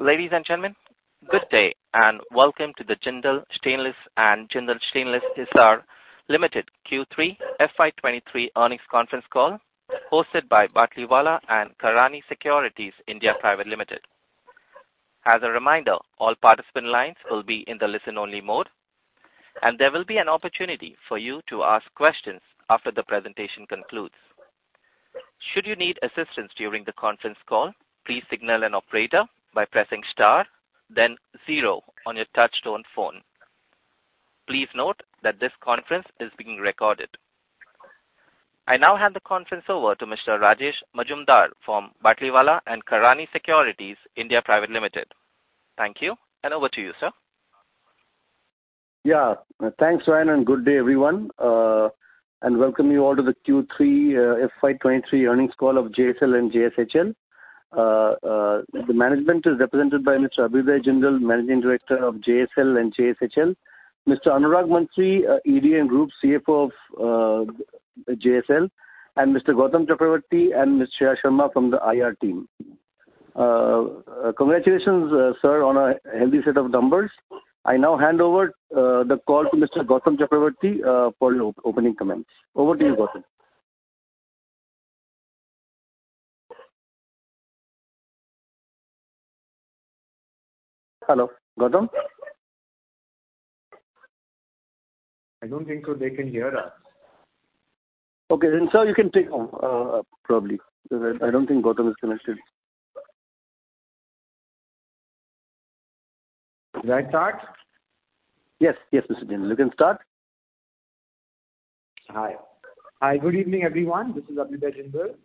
Ladies and gentlemen, good day and welcome to the Jindal Stainless and Jindal Stainless Hisar Limited Q3 FY 2023 earnings conference call hosted by Batlivala & Karani Securities India Private Limited. As a reminder, all participant lines will be in the listen-only mode, and there will be an opportunity for you to ask questions after the presentation concludes. Should you need assistance during the conference call, please signal an operator by pressing star then zero on your touchtone phone. Please note that this conference is being recorded. I now hand the conference over to Mr. Rajesh Majumdar from Batlivala & Karani Securities India Private Limited. Thank you, and over to you, sir. Yeah. Thanks, Ryan, good day, everyone. Welcome you all to the Q3 FY 23 earnings call of JSL and JSHL. The management is represented by Mr. Abhyuday Jindal, Managing Director of JSL and JSHL. Mr. Anurag Mantri, ED and Group CFO of JSL, and Mr. Goutam Chakraborty and Ms. Shreya Sharma from the IR team. Congratulations, sir, on a healthy set of numbers. I now hand over the call to Mr. Goutam Chakraborty for opening comments. Over to you, Goutam. Hello, Goutam? I don't think they can hear us. Okay. Sir, you can take over, probably. I don't think Goutam is connected. Shall I start? Yes. Yes, Mr. Jindal, you can start. Hi. Hi. Good evening, everyone. This is Abhyuday Jindal.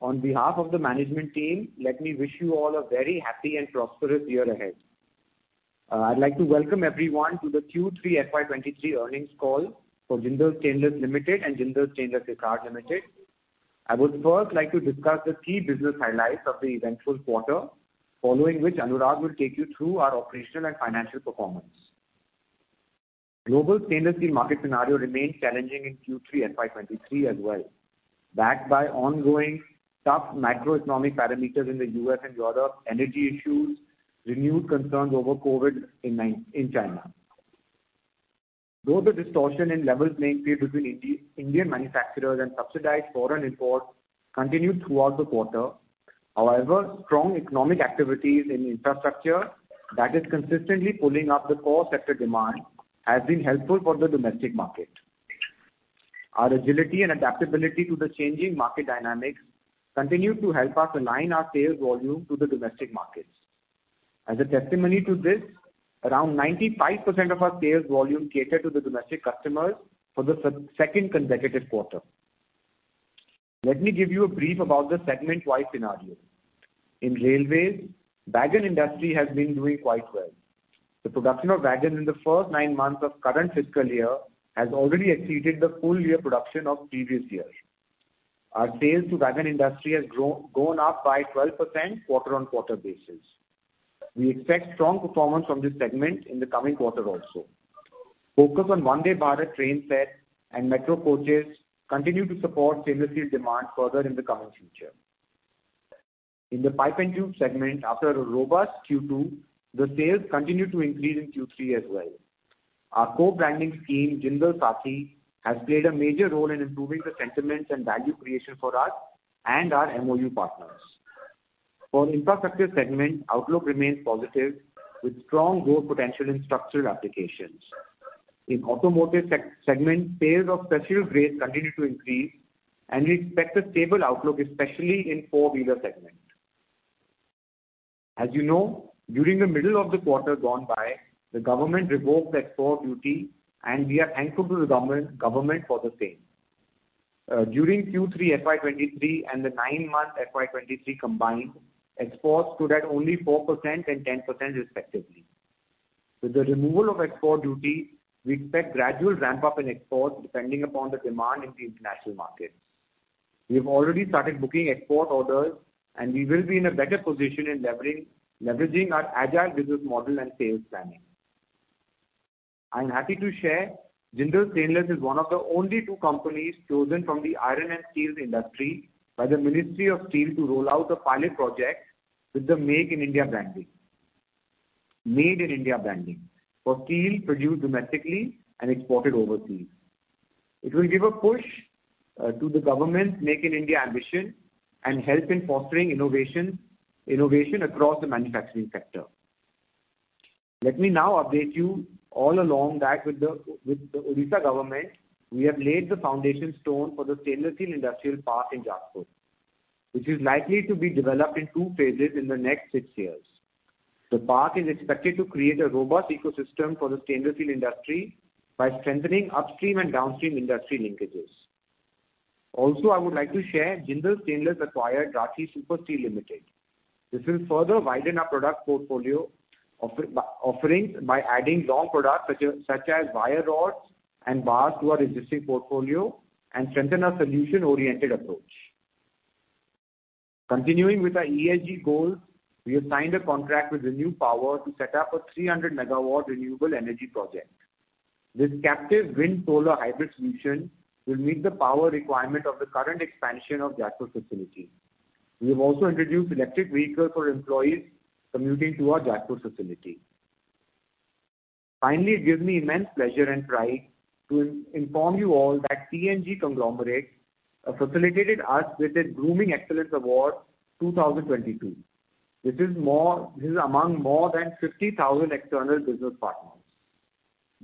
On behalf of the management team, let me wish you all a very happy and prosperous year ahead. I'd like to welcome everyone to the Q3 FY 2023 earnings call for Jindal Stainless Limited and Jindal Stainless Hisar Limited. I would first like to discuss the key business highlights of the eventful quarter, following which Anurag will take you through our operational and financial performance. Global stainless market scenario remains challenging in Q3 FY 2023 as well, backed by ongoing tough macroeconomic parameters in the U.S. and Europe, energy issues, renewed concerns over COVID in China. The distortion in level playing field between Indian manufacturers and subsidized foreign imports continued throughout the quarter, however, strong economic activities in infrastructure that is consistently pulling up the core sector demand has been helpful for the domestic market. Our agility and adaptability to the changing market dynamics continue to help us align our sales volume to the domestic markets. As a testimony to this, around 95% of our sales volume cater to the domestic customers for the second consecutive quarter. Let me give you a brief about the segment-wide scenario. In railways, wagon industry has been doing quite well. The production of wagon in the first nine months of current fiscal year has already exceeded the full year production of previous year. Our sales to wagon industry has gone up by 12% quarter-on-quarter basis. We expect strong performance from this segment in the coming quarter also. Focus on Vande Bharat train set and metro coaches continue to support stainless steel demand further in the coming future. In the pipe and tube segment, after a robust Q2, the sales continued to increase in Q3 as well. Our co-branding scheme, Jindal Saathi, has played a major role in improving the sentiments and value creation for us and our MoU partners. For infrastructure segment, outlook remains positive, with strong growth potential in structural applications. In automotive segment, sales of special grades continue to increase, and we expect a stable outlook, especially in four-wheeler segment. As you know, during the middle of the quarter gone by, the government revoked export duty, and we are thankful to the government for the same. During Q3 FY 2023 and the nine month FY 2023 combined, exports stood at only 4% and 10% respectively. With the removal of export duty, we expect gradual ramp-up in exports depending upon the demand in the international market. We have already started booking export orders, we will be in a better position in leveraging our agile business model and sales planning. I'm happy to share Jindal Stainless is one of the only two companies chosen from the iron and steel industry by the Ministry of Steel to roll out a pilot project with the Make in India branding for steel produced domestically and exported overseas. It will give a push to the government's Make in India ambition and help in fostering innovation across the manufacturing sector. Let me now update you all along that with the Odisha government, we have laid the foundation stone for the stainless steel industrial park in Jajpur, which is likely to be developed in two phases in the next six years. The park is expected to create a robust ecosystem for the stainless steel industry by strengthening upstream and downstream industry linkages. I would like to share Jindal Stainless acquired Rathi Super Steel Limited. This will further widen our product portfolio offerings by adding long products such as wire rods and bars to our existing portfolio and strengthen our solution-oriented approach. Continuing with our ESG goals, we have signed a contract with ReNew Power to set up a 300 MW renewable energy project. This captive wind solar hybrid solution will meet the power requirement of the current expansion of Jajpur facility. We have also introduced electric vehicles for employees commuting to our Jajpur facility. It gives me immense pleasure and pride to inform you all that P&G conglomerate facilitated us with the Grooming Excellence Award 2022. This is more... This is among more than 50,000 external business partners.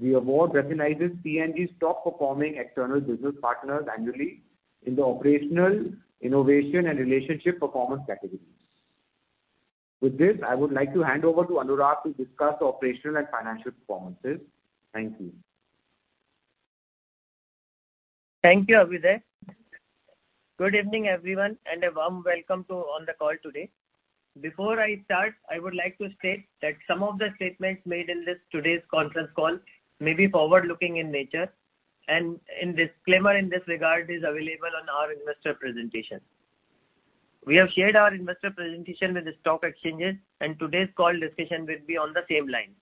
The award recognizes P&G's top performing external business partners annually in the operational, innovation and relationship performance categories. With this, I would like to hand over to Anurag to discuss the operational and financial performances. Thank you. Thank you, Abhyuday. Good evening, everyone, a warm welcome to on the call today. Before I start, I would like to state that some of the statements made in this today's conference call may be forward-looking in nature and disclaimer in this regard is available on our investor presentation. We have shared our investor presentation with the stock exchanges. Today's call discussion will be on the same line.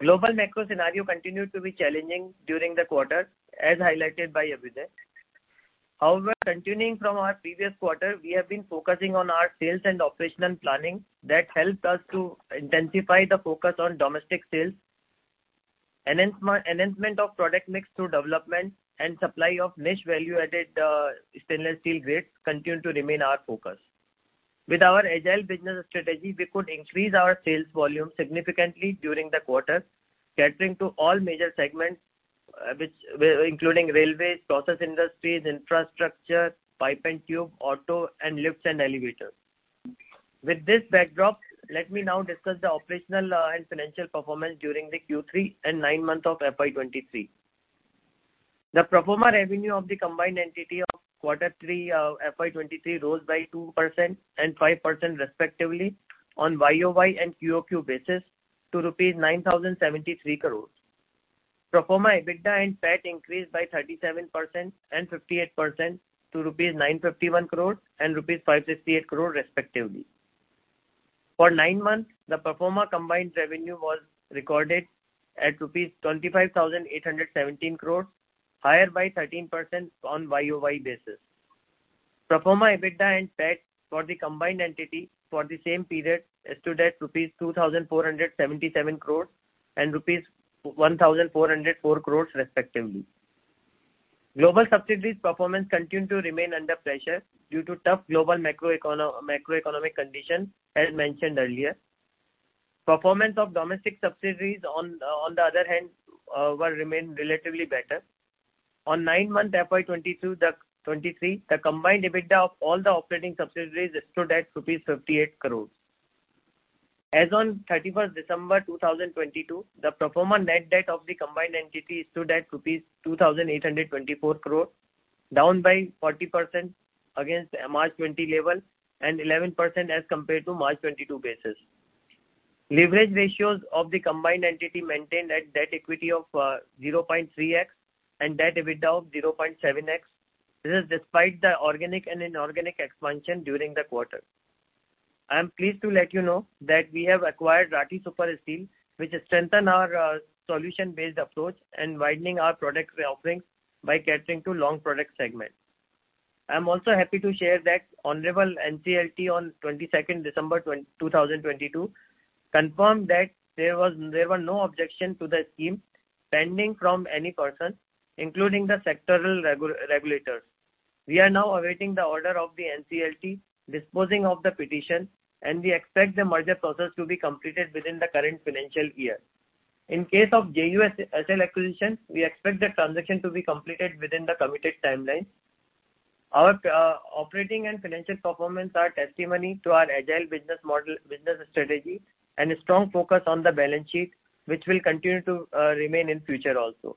Global macro scenario continued to be challenging during the quarter, as highlighted by Abhyuday. Continuing from our previous quarter, we have been focusing on our sales and operational planning that helped us to intensify the focus on domestic sales. Enhancement of product mix through development and supply of niche value-added stainless steel grades continue to remain our focus. With our agile business strategy, we could increase our sales volume significantly during the quarter, catering to all major segments, which, including railways, process industries, infrastructure, pipe and tube, auto and lifts and elevators. With this backdrop, let me now discuss the operational and financial performance during the Q3 and nine months of FY 2023. The pro forma revenue of the combined entity of quarter three, FY 2023 rose by 2% and 5% respectively on YoY and QoQ basis to rupees 9,073 crores. Pro forma EBITDA and PAT increased by 37% and 58% to rupees 951 crores and rupees 568 crore respectively. For nine months, the pro forma combined revenue was recorded at INR 25,817 crores, higher by 13% on YoY basis. Pro forma EBITDA and PAT for the combined entity for the same period stood at rupees 2,477 crores and rupees 1,404 crores respectively. Global subsidiaries performance continued to remain under pressure due to tough global macroeconomics conditions, as mentioned earlier. Performance of domestic subsidiaries on the other hand, were remained relatively better. On month FY 2022-2023, the combined EBITDA of all the operating subsidiaries stood at rupees 58 crores. As on December 31, 2022, the pro forma net debt of the combined entity stood at rupees 2,824 crores, down by 40% against March 20 level and 11% as compared to March 22 basis. Leverage ratios of the combined entity maintained at debt-equity of 0.3x and debt-EBITDA of 0.7x. This is despite the organic and inorganic expansion during the quarter. I am pleased to let you know that we have acquired Rathi Super Steel, which strengthen our solution-based approach and widening our product offerings by catering to long product segment. I'm also happy to share that honorable NCLT on 22nd December 2022 confirmed that there were no objections to the scheme pending from any person, including the sectoral regulators. We are now awaiting the order of the NCLT disposing of the petition, and we expect the merger process to be completed within the current financial year. In case of JUSL acquisition, we expect the transaction to be completed within the committed timeline. Our operating and financial performance are testimony to our agile business model, business strategy and a strong focus on the balance sheet, which will continue to remain in future also.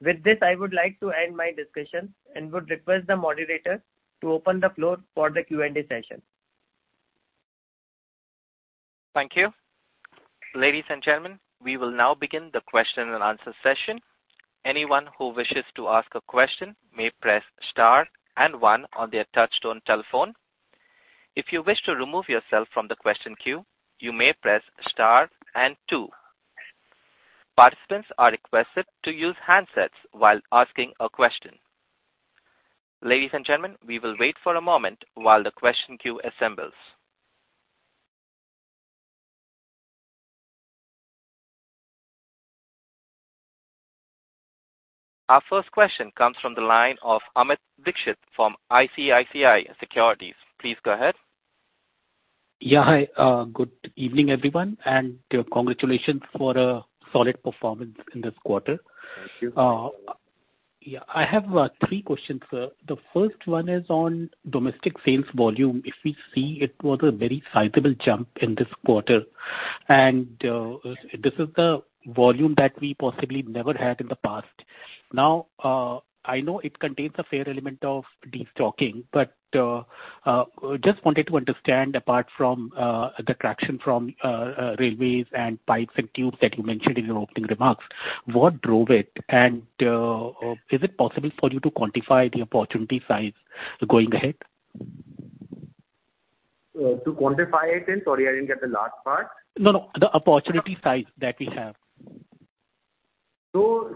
With this, I would like to end my discussion and would request the moderator to open the floor for the Q&A session. Thank you. Ladies and gentlemen, we will now begin the question-and-answer session. Anyone who wishes to ask a question may press star and one on their touchtone telephone. If you wish to remove yourself from the question queue, you may press star and two. Participants are requested to use handsets while asking a question. Ladies and gentlemen, we will wait for a moment while the question queue assembles. Our first question comes from the line of Amit Dixit from ICICI Securities. Please go ahead. Yeah. Hi, good evening, everyone. Congratulations for a solid performance in this quarter. Thank you. Yeah, I have three questions, sir. The first one is on domestic sales volume. If we see, it was a very sizable jump in this quarter, and this is the volume that we possibly never had in the past. I know it contains a fair element of destocking, but just wanted to understand, apart from the traction from railways and pipes and tubes that you mentioned in your opening remarks, what drove it? Is it possible for you to quantify the opportunity size going ahead? To quantify it in, sorry, I didn't get the last part. No, no, the opportunity size that we have.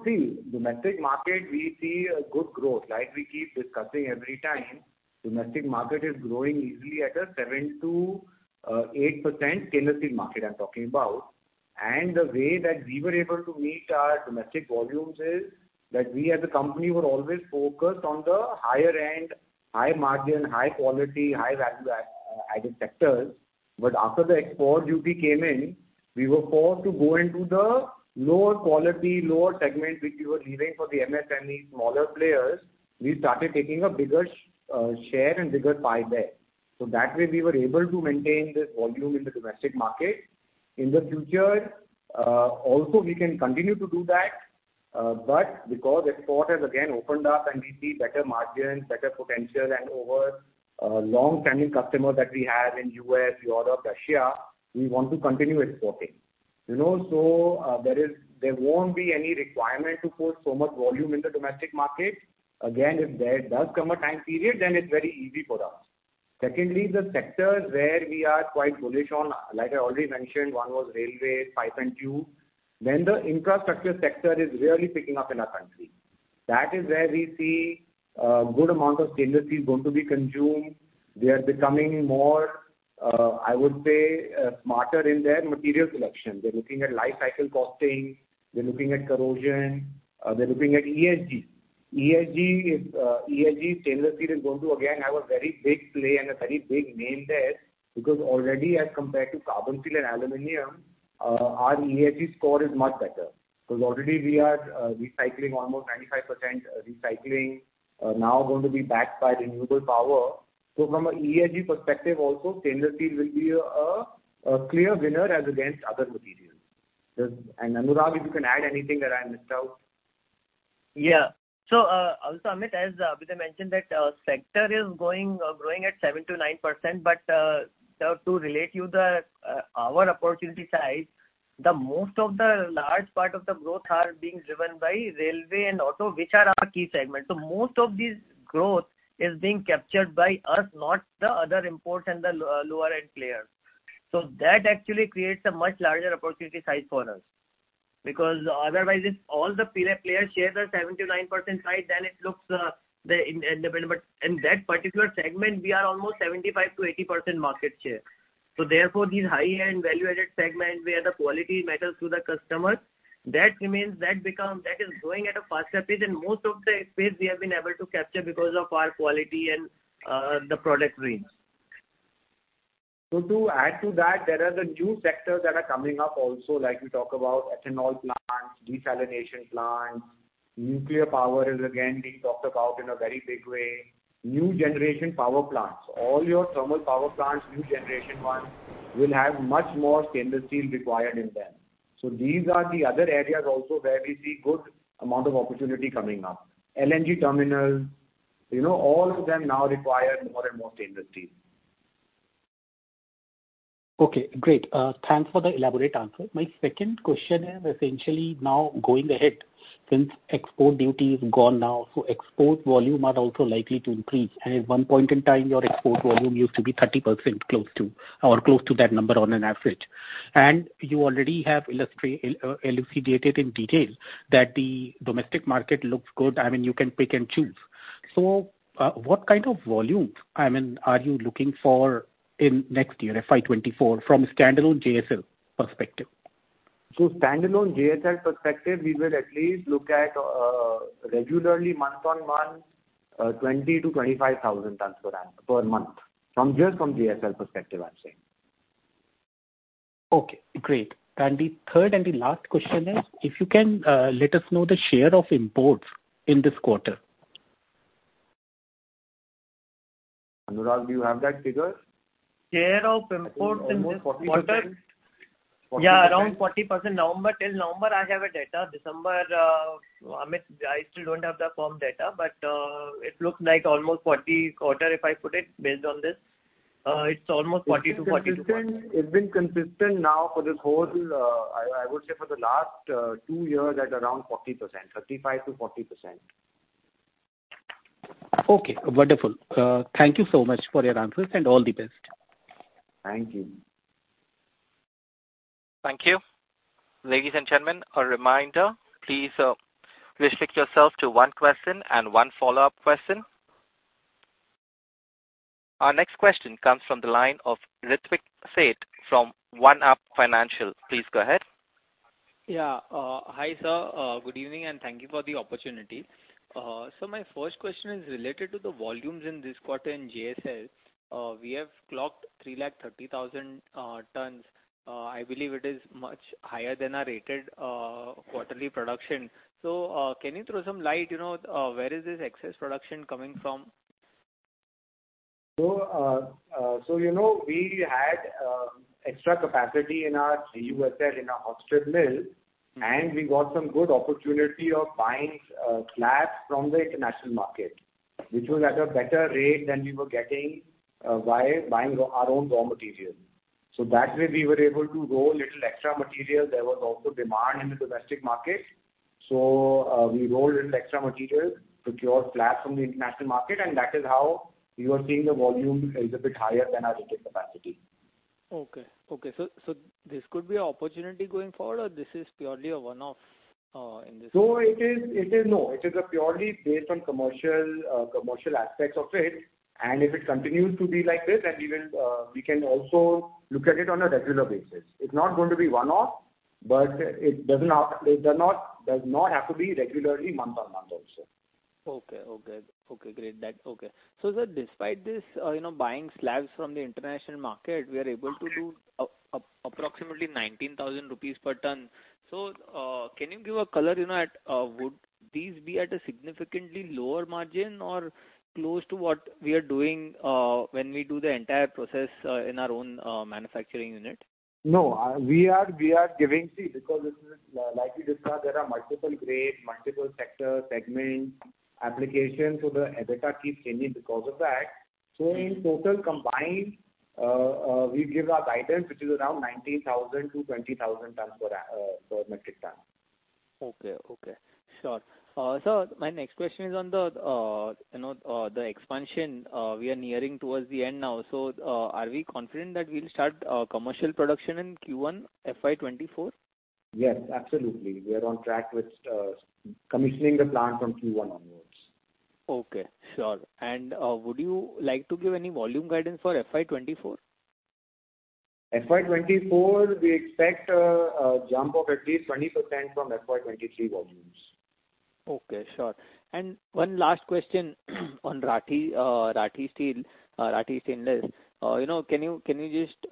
See, domestic market, we see a good growth. Like we keep discussing every time, domestic market is growing easily at a 7% to 8% stainless steel market, I'm talking about. The way that we were able to meet our domestic volumes is that we as a company were always focused on the higher end, high margin, high quality, high value add, added sectors. After the export duty came in, we were forced to go into the lower quality, lower segment, which we were leaving for the MSMEs, smaller players. We started taking a bigger share and bigger pie there. That way we were able to maintain this volume in the domestic market. In the future, also we can continue to do that. Because export has again opened up and we see better margins, better potential and over long-standing customers that we have in U.S., Europe, Russia, we want to continue exporting. You know, there won't be any requirement to put so much volume in the domestic market. If there does come a time period, it's very easy for us. Secondly, the sectors where we are quite bullish on, like I already mentioned, one was railway, pipe and tube. The infrastructure sector is really picking up in our country. That is where we see a good amount of stainless steel going to be consumed. They are becoming more, I would say, smarter in their material selection. They're looking at life cycle costing, they're looking at corrosion, they're looking at ESG. ESG is ESG stainless steel is going to again have a very big play and a very big name there because already as compared to carbon steel and aluminum, our ESG score is much better. Already we are, recycling almost 95% recycling, now going to be backed by renewable power. From a ESG perspective also, stainless steel will be a clear winner as against other materials. Anurag, if you can add anything that I missed out. Also Amit Dixit, as Abhyuday Jindal mentioned that, sector is going, growing at 7%-9%. To relate you the, our opportunity size, the most of the large part of the growth are being driven by railway and auto, which are our key segments. Most of this growth is being captured by us, not the other imports and the lower end players. That actually creates a much larger opportunity size for us. Otherwise if all the players shares are 7%-9% size, then it looks, the... In that particular segment, we are almost 75%-80% market share. Therefore, these high-end value-added segments where the quality matters to the customers, that is growing at a faster pace, and most of the space we have been able to capture because of our quality and the product range. To add to that, there are the new sectors that are coming up also, like you talk about ethanol plants, desalination plants, nuclear power is again being talked about in a very big way. New generation power plants. All your thermal power plants, new generation ones, will have much more stainless steel required in them. These are the other areas also where we see good amount of opportunity coming up. LNG terminals, you know, all of them now require more and more stainless steel. Okay, great. Thanks for the elaborate answer. My second question is essentially now going ahead. Since export duty is gone now, export volume are also likely to increase. At one point in time, your export volume used to be 30% close to, or close to that number on an average. You already have elucidated in detail that the domestic market looks good. I mean, you can pick and choose. What kind of volumes, I mean, are you looking for in next year, FY 2024, from standalone JSL perspective? standalone JSL perspective, we will at least look at, regularly month-on-month, 20,000-25,000 tons per month. From, just from JSL perspective, I'm saying. Okay, great. The third and the last question is if you can let us know the share of imports in this quarter. Anurag, do you have that figure? Share of imports in this quarter? Almost 40%. Yeah, around 40%. November, till November I have a data. December, Amit, I still don't have the firm data, but, it looks like almost 40 quarter if I put it based on this. It's almost 40% to 42%. It's been consistent now for this whole, I would say for the last, two years at around 40%, 35%-40%. Okay, wonderful. Thank you so much for your answers, and all the best. Thank you. Thank you. Ladies and gentlemen, a reminder, please, restrict yourself to one question and one follow-up question. Our next question comes from the line of Ritwik Seth from OneUp Financial. Please go ahead. Hi, sir. Good evening, and thank you for the opportunity. My first question is related to the volumes in this quarter in JSL. We have clocked 3 lakh 30,000 tons. I believe it is much higher than our rated quarterly production. Can you throw some light, you know, where is this excess production coming from? You know, we had extra capacity in our JUSL, in our Austria mill. We got some good opportunity of buying slabs from the international market. Which was at a better rate than we were getting by buying our own raw material. So that way we were able to roll little extra material. There was also demand in the domestic market. We rolled in the extra material, procure slabs from the international market, and that is how you are seeing the volume is a bit higher than our rated capacity. Okay. Okay. This could be an opportunity going forward, or this is purely a one-off? No, it is purely based on commercial aspects of it. If it continues to be like this, then we will, we can also look at it on a regular basis. It's not going to be one-off, but it does not have to be regularly month-on-month also. Okay. Okay. Okay, great. Okay. Sir, despite this, you know, buying slabs from the international market, we are able to do approximately 19,000 rupees per ton. Can you give a color, you know, at, would these be at a significantly lower margin or close to what we are doing, when we do the entire process, in our own manufacturing unit? No. We are giving. Because this is, like we discussed, there are multiple grades, multiple sectors, segments, applications. The EBITDA keeps changing because of that. In total combined, we give our guidance, which is around 90,000-20,000 tons per metric ton. Okay. Okay. Sure. Sir, my next question is on the, you know, the expansion. We are nearing towards the end now. Are we confident that we'll start commercial production in Q1 FY 2024? Yes, absolutely. We are on track with commissioning the plant from Q1 onwards. Okay, sure. Would you like to give any volume guidance for FY 2024? FY 2024, we expect a jump of at least 20% from FY 2023 volumes. Okay, sure. One last question on Rathi Steel, Rathi Stainless. You know, can you just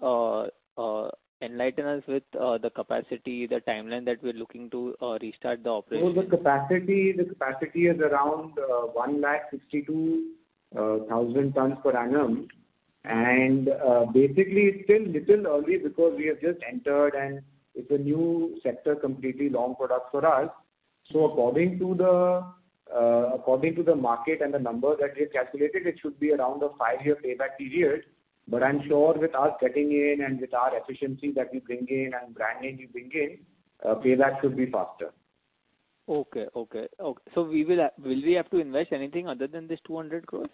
enlighten us with the capacity, the timeline that we're looking to restart the operation? The capacity is around 162,000 tons per annum. Basically it's still little early because we have just entered and it's a new sector, completely long product for us. According to the market and the numbers that we have calculated, it should be around a five year payback period. I'm sure with us cutting in and with our efficiency that we bring in and brand name we bring in, payback could be faster. Okay. Okay. Ok. Will we have to invest anything other than this 200 crores?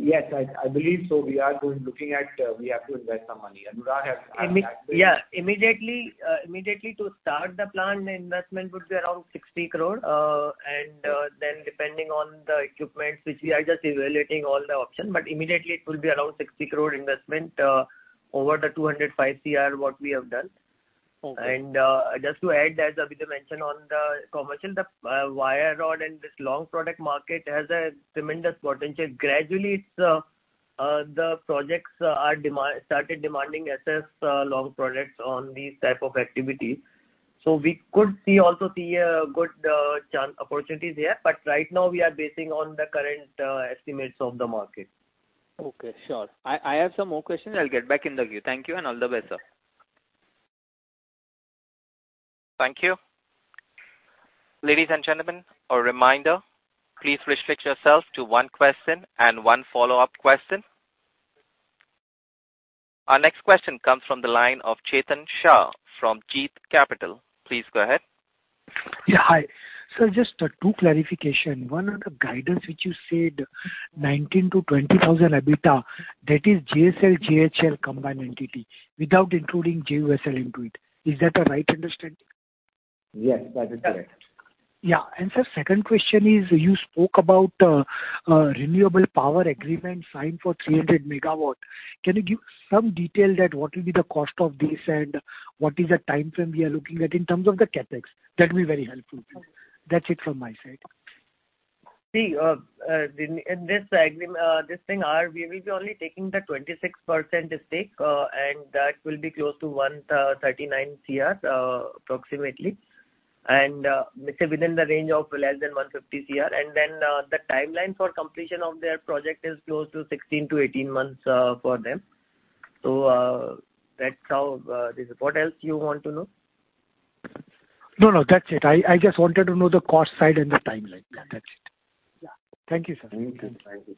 Yes. I believe so. We are looking at, we have to invest some money. Abhyuday Jindal has actually- Yeah. Immediately, immediately to start the plant, investment would be around 60 crore. Then depending on the equipment, which we are just evaluating all the options, but immediately it will be around 60 crore investment over the 205 CR what we have done. Okay. Just to add, as Abhyuday mentioned on the commercial, the wire rod and this long product market has a tremendous potential. Gradually, it's, the projects started demanding assess long products on these type of activities. We could also see a good opportunities here. Right now we are basing on the current estimates of the market. Okay, sure. I have some more questions. I'll get back in the queue. Thank you. All the best, sir. Thank you. Ladies and gentlemen, a reminder, please restrict yourself to one question and one follow-up question. Our next question comes from the line of Chetan Shah from Jeet Capital. Please go ahead. Yeah. Hi. Just, two clarification. One on the guidance which you said 19,000-20,000 EBITDA, that is JSL, JHL combined entity without including JUSL into it. Is that a right understanding? Yes, that is correct. Yeah. Sir, second question is you spoke about, a renewable power agreement signed for 300 MW. Can you give some detail that what will be the cost of this and what is the timeframe we are looking at in terms of the CapEx? That'd be very helpful. That's it from my side. See, in this thing, we will be only taking the 26% stake, and that will be close to 139 crore, approximately. Say within the range of less than 150 crore. The timeline for completion of their project is close to 16-18 months, for them. That's how, this. What else you want to know? No, no, that's it. I just wanted to know the cost side and the timeline. That's it. Yeah. Thank you, sir. Thank you. Thank you.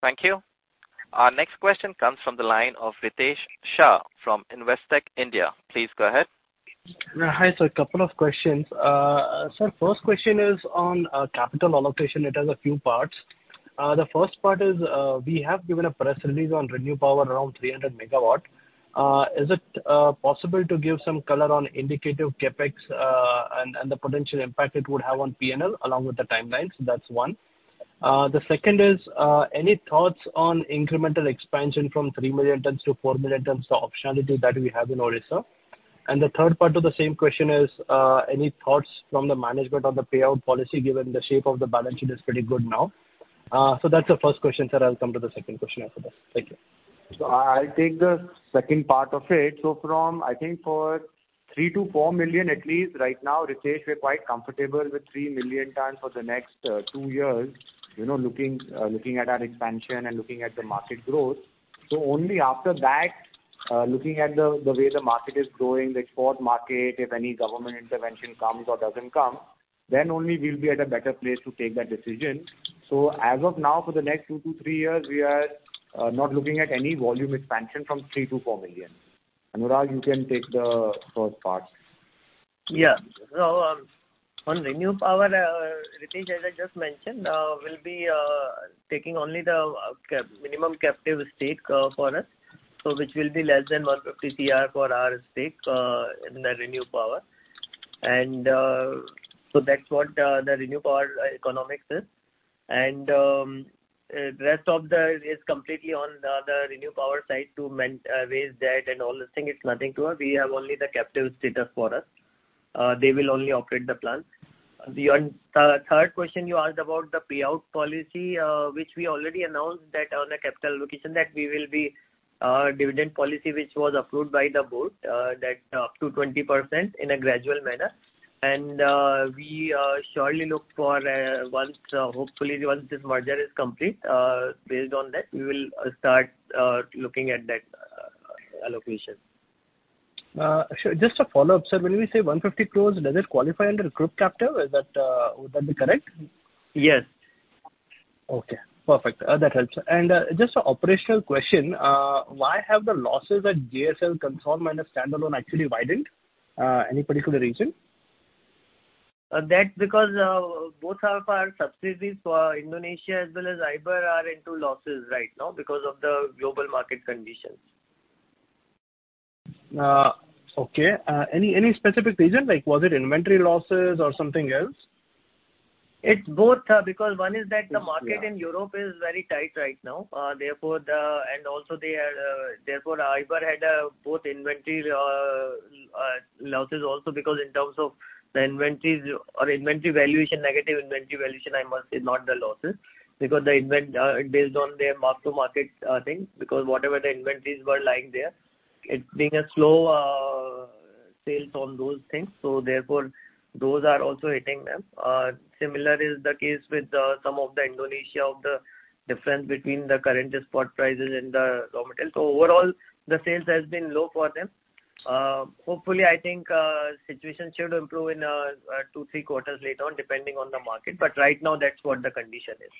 Thank you. Our next question comes from the line of Ritesh Shah from Investec India. Please go ahead. Yeah. Hi, sir. A couple of questions. Sir, first question is on capital allocation. It has a few parts. The first part is, we have given a press release on ReNew Power around 300 MW. Is it possible to give some color on indicative CapEx, and the potential impact it would have on P&L along with the timelines? That's one. The second is, any thoughts on incremental expansion from 3 million tons to 4 million tons, the optionality that we have in Odisha. The third part to the same question is, any thoughts from the management on the payout policy given the shape of the balance sheet is pretty good now. That's the first question, sir. I'll come to the second question after this. Thank you. I'll take the second part of it. From, I think for 3 million-4 million at least right now, Ritesh, we're quite comfortable with 3 million tons for the next two years. You know, looking at our expansion and looking at the market growth. Only after that, looking at the way the market is growing, the export market, if any government intervention comes or doesn't come, then only we'll be at a better place to take that decision. As of now, for the next two to three years, we are not looking at any volume expansion from 3 million-4 million. Anurag, you can take the first part. On ReNew Power, Ritesh, as I just mentioned, we'll be taking only the minimum captive stake for us, which will be less than 150 CR for our stake in the ReNew Power. That's what the ReNew Power economics is. Rest of the is completely on the ReNew Power side to raise debt and all these things. It's nothing to us. We have only the captive status for us. They will only operate the plant. The third question you asked about the payout policy, which we already announced that on a capital allocation, that we will be dividend policy which was approved by the board, that up to 20% in a gradual manner. We surely look for once, hopefully, once this merger is complete, based on that, we will start looking at that allocation. Sure. Just a follow-up, sir. When we say 150 crores, does it qualify under group captive? Is that, would that be correct? Yes. Okay, perfect. That helps. Just an operational question. Why have the losses at JSL consolidated minus stand-alone actually widened? Any particular reason? That's because both our power subsidies for Indonesia as well as IBER are into losses right now because of the global market conditions. Okay. Any, any specific reason? Like, was it inventory losses or something else? It's both, because one is that the market in Europe is very tight right now. Also they are, therefore Iber had, both inventory losses also because in terms of the inventories or inventory valuation, negative inventory valuation, I must say, not the losses. Because based on their mark to market, thing, because whatever the inventories were lying there, it being a slow, sales on those things, therefore those are also hitting them. Similar is the case with, some of the Indonesia of the difference between the current spot prices and the raw material. Overall, the sales has been low for them. Hopefully, I think, situation should improve in two, three quarters later on, depending on the market. Right now that's what the condition is.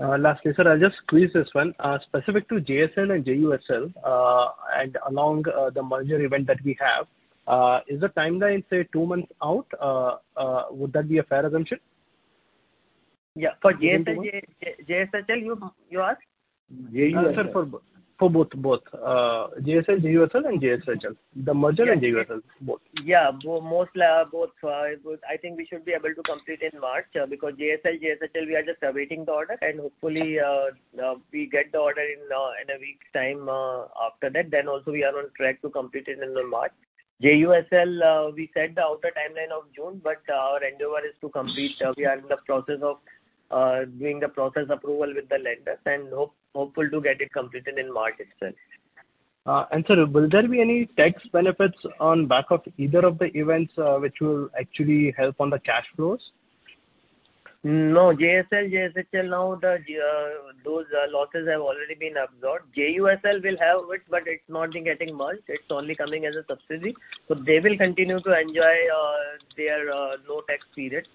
Lastly, sir, I'll just squeeze this one. Specific to JSL and JUSL, and along the merger event that we have, is the timeline, say, two months out, would that be a fair assumption? Yeah. For JSL, JSHL, you ask? JUSL. Sir, for both. JSL, JUSL and JSHL. The merger and JUSL, both. Yeah. Mostly, both. I think we should be able to complete in March, because JSL, JSHL, we are just awaiting the order, and hopefully, we get the order in a week's time, after that. Also we are on track to complete it in March. JUSL, we set the outer timeline of June, but our endeavor is to complete. We are in the process of doing the process approval with the lenders and hopeful to get it completed in March itself. Sir, will there be any tax benefits on back of either of the events, which will actually help on the cash flows? No. JSL, JSHL now the, those losses have already been absorbed. JUSL will have it, but it's not getting much. It's only coming as a subsidy. They will continue to enjoy their low tax period.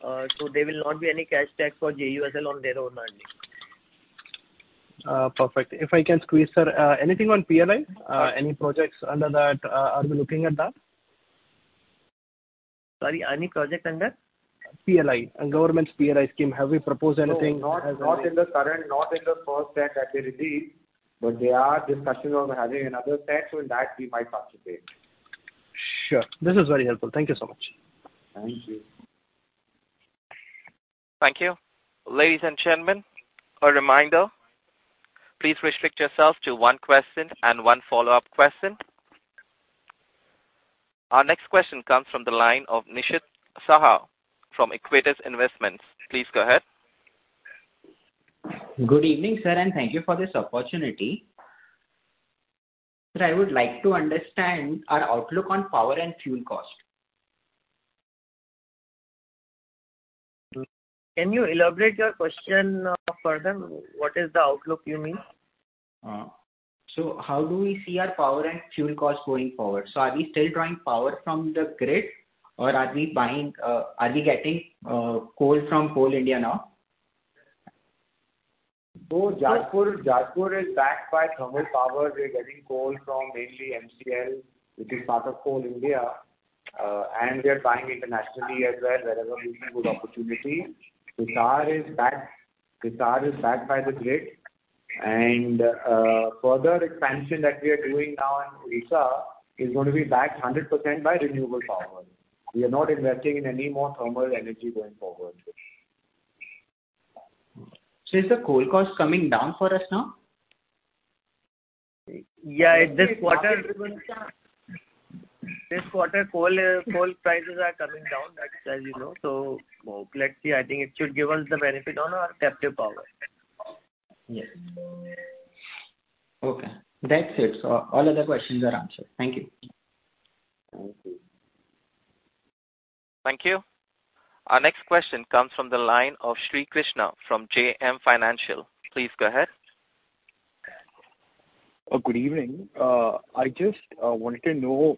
There will not be any cash tax for JUSL on their own only. Perfect. If I can squeeze, sir. Anything on PLI? Any projects under that, are we looking at that? Sorry, any project under? PLI. Government's PLI scheme. Have we proposed anything as in- No, not in the current, not in the first set that they released. There are discussions on having another set. In that we might participate. Sure. This is very helpful. Thank you so much. Thank you. Thank you. Ladies and gentlemen, a reminder, please restrict yourselves to one question and one follow-up question. Our next question comes from the line of Nishith Shah from Veritas Investments. Please go ahead. Good evening, sir, and thank you for this opportunity. Sir, I would like to understand our outlook on power and fuel cost. Can you elaborate your question further? What is the outlook you mean? How do we see our power and fuel costs going forward? Are we still drawing power from the grid or are we buying, are we getting, coal from Coal India now? Jajpur is backed by thermal power. We are getting coal from mainly MCL, which is part of Coal India. We are buying internationally as well, wherever we see good opportunity. Hisar is backed by the grid. Further expansion that we are doing now in Odisha is gonna be backed 100% by renewable power. We are not investing in any more thermal energy going forward. Is the coal cost coming down for us now? Yeah, this quarter coal prices are coming down. That's as you know. Let's see. I think it should give us the benefit on our captive power. Yes. Okay. That's it. All other questions are answered. Thank you. Thank you. Our next question comes from the line of Srikrishna from JM Financial. Please go ahead. Good evening. I just wanted to know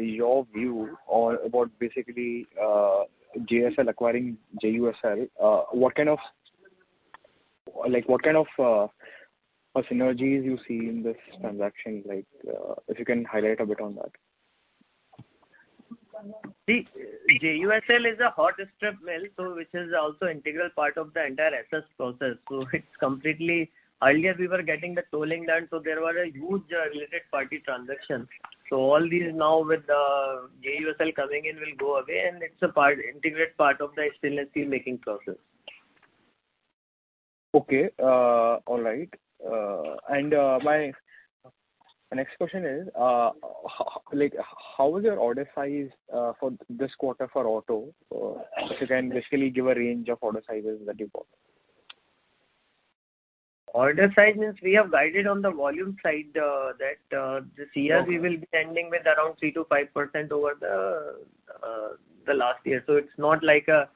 your view on about basically JSL acquiring JUSL. Like, what kind of synergies you see in this transaction? Like, if you can highlight a bit on that. JUSL is a hot strip mill, which is also integral part of the entire SS process. It's completely. Earlier we were getting the tolling done. There was a huge related party transaction. All these now with JUSL coming in will go away, and it's a part, integrate part of the stainless steel making process. Okay. All right. My next question is, how, like, how is your order size for this quarter for auto? If you can basically give a range of order sizes that you got. Order size means we have guided on the volume side, that this year we will be ending with around 3% to 5% over the last year. It's not like a,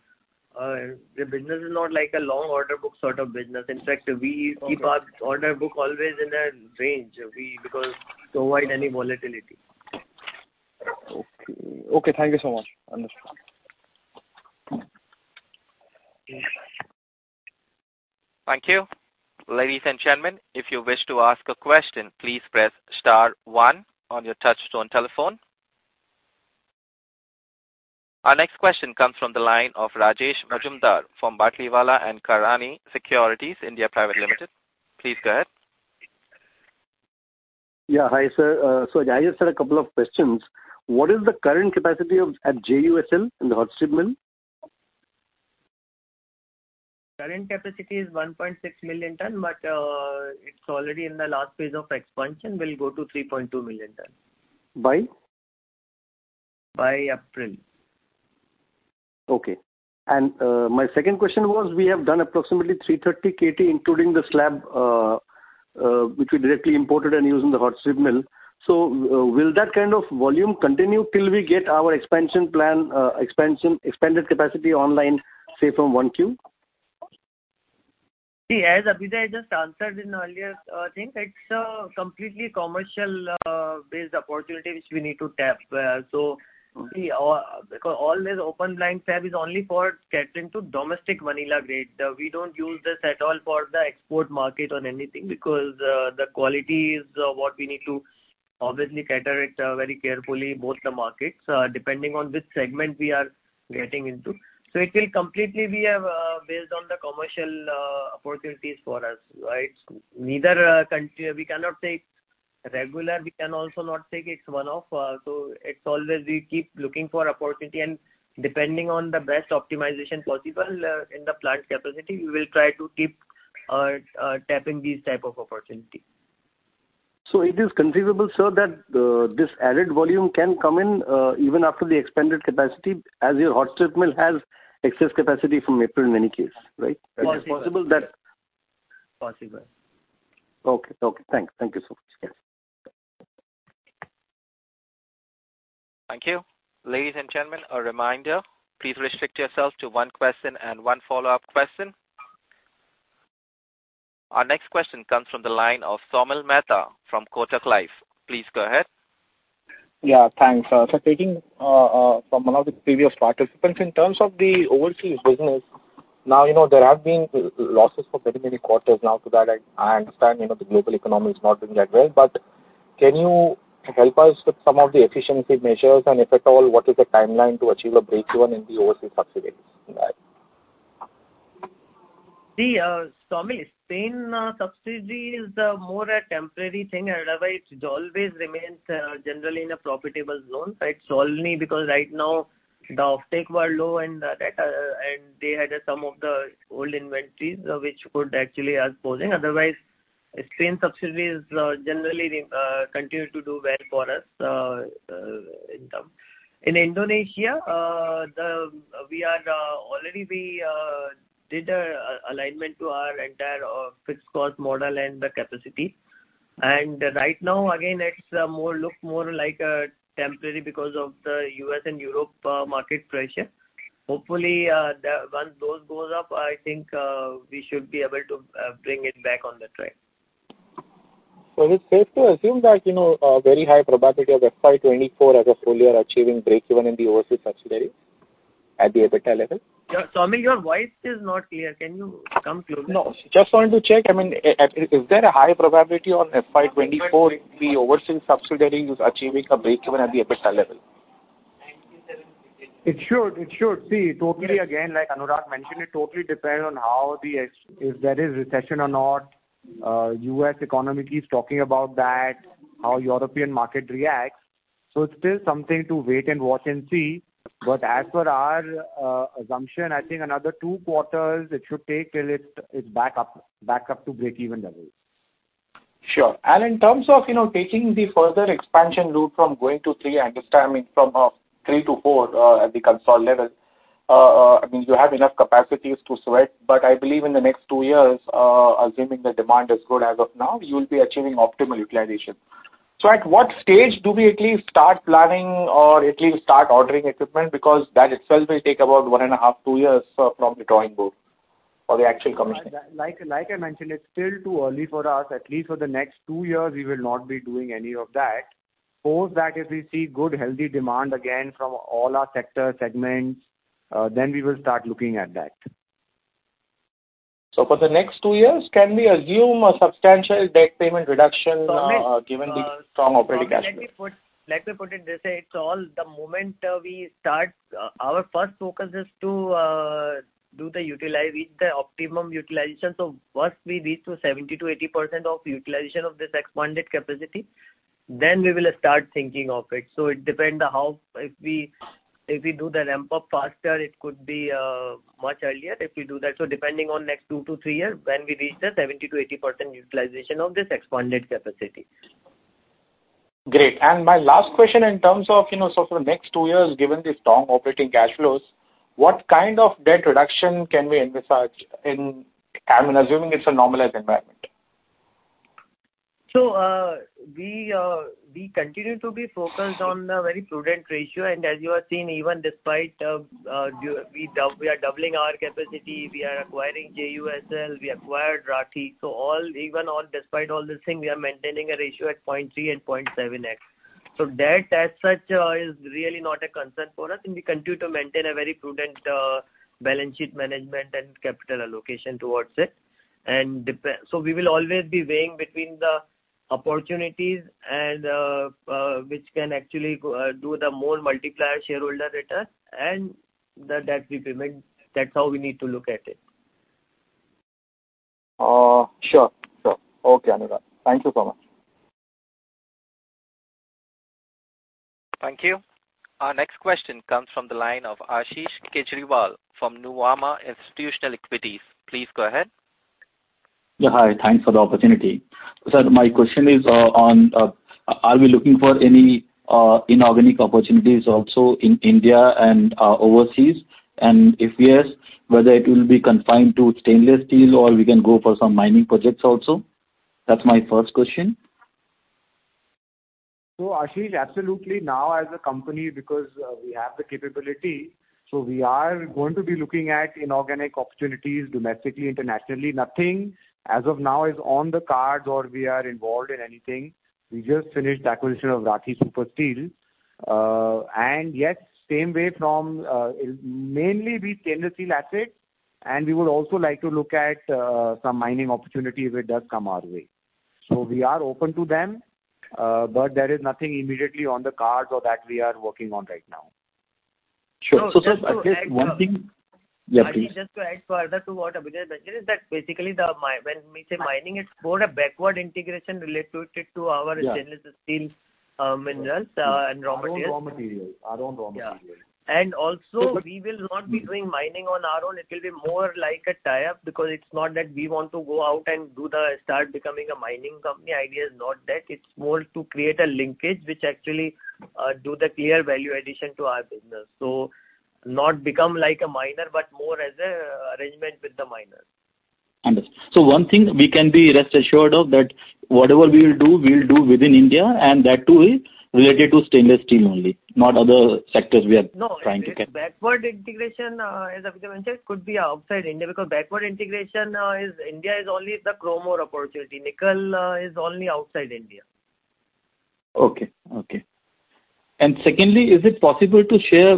the business is not like a long order book sort of business. In fact, we keep our order book always in a range, because to avoid any volatility. Okay. Okay, thank you so much. Understood. Yeah. Thank you. Ladies and gentlemen, if you wish to ask a question, please press star one on your touchtone telephone. Our next question comes from the line of Rajesh Majumdar from Batlivala & Karani Securities India Pvt. Ltd. Please go ahead. Yeah. Hi, sir. I just had a couple of questions. What is the current capacity of, at JUSL in the hot strip mill? Current capacity is 1.6 million tons, but it's already in the last phase of expansion. We'll go to 3.2 million tons. By? By April. Okay. My second question was we have done approximately 330 KT including the slab, which we directly imported and used in the hot strip mill. Will that kind of volume continue till we get our expansion plan, expanded capacity online, say from 1Q? As Abhyuday Jindal just answered in earlier, I think it's a completely commercial based opportunity which we need to tap. See, all this open blank fab is only for catering to domestic vanilla grade. We don't use this at all for the export market on anything because the quality is what we need to obviously cater it very carefully, both the markets, depending on which segment we are getting into. It will completely be based on the commercial opportunities for us, right? Neither. We cannot say regular, we can also not say it's one-off. It's always we keep looking for opportunity and depending on the best optimization possible in the plant capacity, we will try to keep tapping these type of opportunity. It is conceivable, sir, that this added volume can come in even after the expanded capacity as your hot strip mill has excess capacity from April in any case, right? Possible. Is it possible that- Possible. Okay. Okay, thanks. Thank you so much. Yes. Thank you. Ladies and gentlemen, a reminder, please restrict yourself to 1 question and 1 follow-up question. Our next question comes from the line of Saumil Mehta from Kotak Life. Please go ahead. Yeah, thanks. So taking from one of the previous participants, in terms of the overseas business, now, you know, there have been losses for very many quarters now. To that I understand, you know, the global economy is not doing that well. Can you help us with some of the efficiency measures and if at all, what is the timeline to achieve a breakeven in the overseas subsidiaries? Right. See, Saumil Mehta, Spain subsidy is more a temporary thing. Otherwise it always remains generally in a profitable zone, right? It's only because right now the offtake were low and that and they had some of the old inventories which could actually expose it. Otherwise, Spain subsidy is generally continue to do well for us in term. In Indonesia, the, we are already we did a alignment to our entire fixed cost model and the capacity. Right now again it's more look more like a temporary because of the U.S. and Europe market pressure. Hopefully, once those goes up, I think, we should be able to bring it back on the track. Is it safe to assume that, you know, a very high probability of FY 2024 as a full year achieving breakeven in the overseas subsidiary at the EBITDA level? Yeah. Saumil, your voice is not clear. Can you come closer? No. Just wanted to check. I mean, is there a high probability on FY 2024 the overseas subsidiary is achieving a breakeven at the EBITDA level? 1978. It should. See, totally again, like Anurag mentioned, it totally depends on how if there is recession or not. U.S. economy keeps talking about that, how European market reacts. It's still something to wait and watch and see. As for our assumption, I think another two quarters it should take till it's back up to breakeven levels. Sure. In terms of, you know, taking the further expansion route from going to three, I understand, I mean, from three to four, at the console level, I mean, you have enough capacities to sweat. I believe in the next two years, assuming the demand is good as of now, you'll be achieving optimal utilization. At what stage do we at least start planning or at least start ordering equipment? That itself will take about one and a half, two years, from the drawing board or the actual commission. Like I mentioned, it's still too early for us. At least for the next two years we will not be doing any of that. Post that, if we see good healthy demand again from all our sector segments, then we will start looking at that. For the next two years, can we assume a substantial debt payment reduction, given the strong operating cash flow? Let me put it this way. It's all the moment, we start, our first focus is to reach the optimum utilization. Once we reach to 70%-80% of utilization of this expanded capacity, then we will start thinking of it. It depend how, if we do the ramp-up faster, it could be much earlier if we do that. Depending on next two to three years when we reach the 70%-80% utilization of this expanded capacity. Great. My last question in terms of, you know, so for next two years, given the strong operating cash flows, what kind of debt reduction can we envisage, I mean, assuming it's a normalized environment? we continue to be focused on a very prudent ratio. As you have seen, even despite, we are doubling our capacity, we are acquiring JUSL, we acquired Rathi. Even on despite all this thing, we are maintaining a ratio at 0.3 and 0.7x. Debt as such is really not a concern for us, and we continue to maintain a very prudent balance sheet management and capital allocation towards it. We will always be weighing between the opportunities and which can actually do the more multiplier shareholder return and the debt repayment. That's how we need to look at it. Sure. Okay, Anurag. Thank you so much. Thank you. Our next question comes from the line of Ashish Kejriwal from Nuvama Institutional Equities. Please go ahead. Yeah, hi. Thanks for the opportunity. Sir, my question is on, are we looking for any inorganic opportunities also in India and overseas? If yes, whether it will be confined to stainless steel or we can go for some mining projects also? That's my first question. Ashish, absolutely now as a company, because we have the capability, we are going to be looking at inorganic opportunities domestically, internationally. Nothing as of now is on the cards or we are involved in anything. We just finished the acquisition of Rathi Super Steel. Yes, same way from mainly be stainless steel assets, and we would also like to look at some mining opportunity if it does come our way. We are open to them, but there is nothing immediately on the cards or that we are working on right now. Sure. sir, I guess one thing- Ashish, just to add further to what Abhyuday Jindal mentioned is that basically when we say mining, it's more a backward integration related to our- Yeah. ...stainless steel, minerals, and raw materials. Our own raw materials. Yeah. Also we will not be doing mining on our own. It will be more like a tie-up because it's not that we want to go out and start becoming a mining company. Idea is not that. It's more to create a linkage which actually do clear value addition to our business. Not become like a miner, but more as a arrangement with the miners. Understood. One thing we can be rest assured of that whatever we will do, we'll do within India, and that too is related to stainless steel only, not other sectors we are trying to get. No, it's backward integration, as Abhyuday mentioned, could be outside India because backward integration, is India is only the chrome ore opportunity. Nickel, is only outside India. Okay. Okay. Secondly, is it possible to share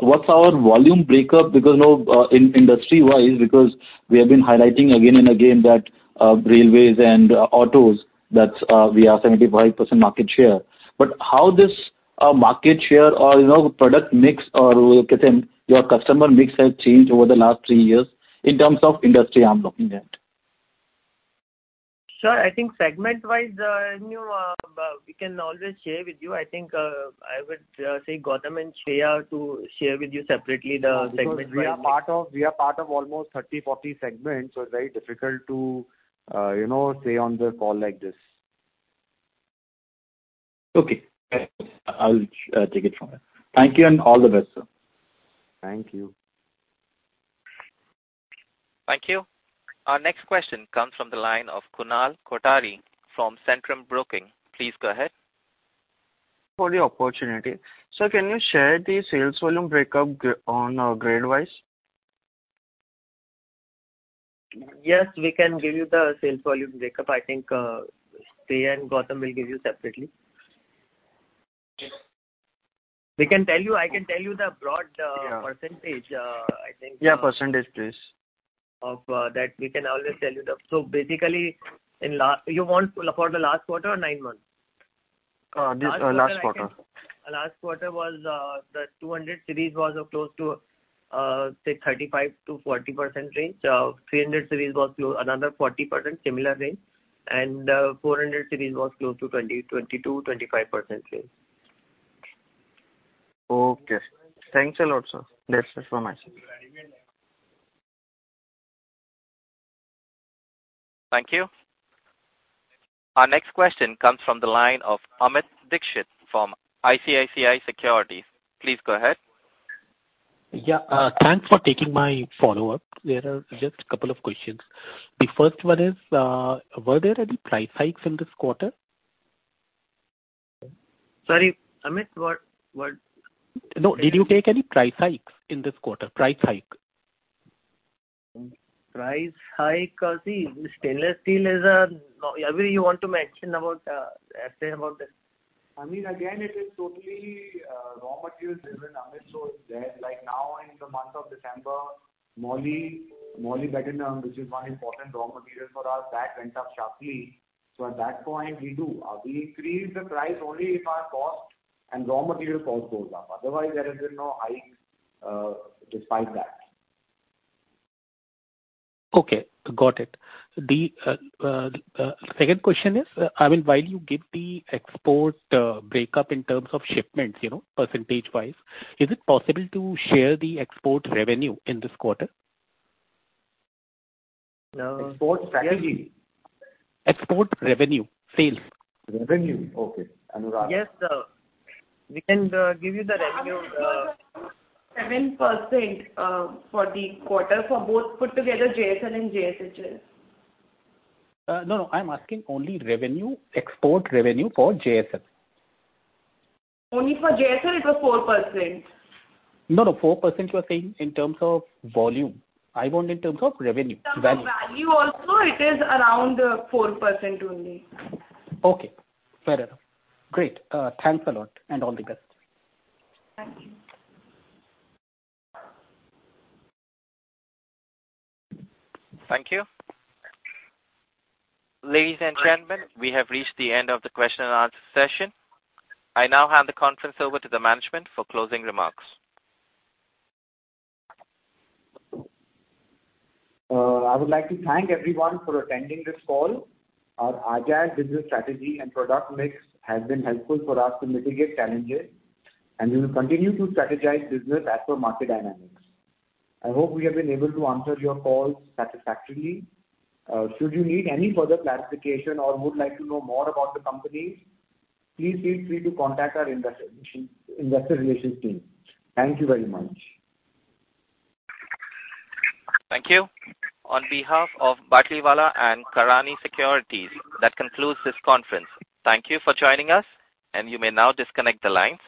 what's our volume breakup? Because now, in industry-wise, because we have been highlighting again and again that railways and autos, that's, we have 75% market share. How this market share or, you know, product mix or your customer mix has changed over the last three years in terms of industry I'm looking at? Sure. I think segment-wise, we can always share with you. I think, I would say Goutam and Shreya to share with you separately the segment-wise. We are part of almost 30, 40 segments, so it's very difficult to, you know, say on the call like this. Okay. I'll take it from here. Thank you and all the best, sir. Thank you. Thank you. Our next question comes from the line of Kunal Kothari from Centrum Broking. Please go ahead. Thank you for the opportunity. Sir, can you share the sales volume breakup on grade-wise? Yes, we can give you the sales volume breakup. I think, Shreya and Goutam will give you separately. I can tell you the broad % I think. Yeah, percentage please. Of that we can always tell you the. You want for the last quarter or nine months? This, last quarter. Last quarter, I think. Last quarter was, the 200 series was close to, say 35%-40% range. 300 series was another 40%, similar range. 400 series was close to 20%, 22%, 25% range. Okay. Thanks a lot, sir. That's it from my side. Thank you. Our next question comes from the line of Amit Dixit from ICICI Securities. Please go ahead. Yeah, thanks for taking my follow-up. There are just a couple of questions. The first one is, were there any price hikes in this quarter? Sorry, Amit, what? No. Did you take any price hikes in this quarter? Price hike. Price hike. See, stainless steel. Abhyuday Jindal, you want to mention about, say about this? I mean, again, it is totally, raw materials driven. Like now in the month of December, moly, molybdenum, which is one important raw material for us, that went up sharply. At that point we do. We increase the price only if our cost and raw material cost goes up. Otherwise there has been no hike despite that. Okay, got it. The second question is, I mean, while you give the export break up in terms of shipments, you know, percentage-wise, is it possible to share the export revenue in this quarter? No. Export strategy. Export revenue. Sales. Revenue. Okay. Anurag Mantri. Yes, sir. We can give you the revenue. 7%, for the quarter for both put together JSL and JSHL. No, no. I'm asking only revenue, export revenue for JSL. Only for JSL it was 4%. No, no. 4% you are saying in terms of volume. I want in terms of revenue. Value. In terms of value also it is around, 4% only. Okay. Fair enough. Great. Thanks a lot and all the best. Thank you. Thank you. Ladies and gentlemen, we have reached the end of the question-and-answer session. I now hand the conference over to the management for closing remarks. I would like to thank everyone for attending this call. Our agile business strategy and product mix has been helpful for us to mitigate challenges, and we will continue to strategize business as per market dynamics. I hope we have been able to answer your calls satisfactorily. Should you need any further clarification or would like to know more about the company, please feel free to contact our investor relations team. Thank you very much. Thank you. On behalf of Batlivala & Karani Securities, that concludes this conference. Thank you for joining us, and you may now disconnect the lines.